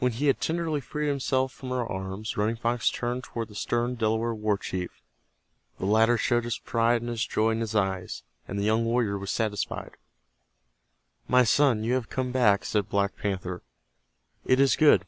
When he had tenderly freed himself from her arms, Running Fox turned toward the stern Delaware war chief. The latter showed his pride and his joy in his eyes, and the young warrior was satisfied. "My son, you have come back," said Black Panther. "It is good.